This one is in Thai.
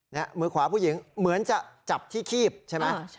มือขวาผู้หญิงเหมือนจะจับที่คีบใช่ไหม